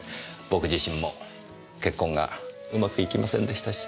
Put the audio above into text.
僕自身も結婚がうまくいきませんでしたし。